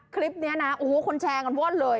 คลิปนี้นะโอ้โหคนแชร์กันว่อนเลย